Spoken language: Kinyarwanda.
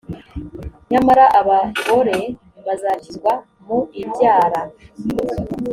nyamara abagore bazakizwa mu ibyara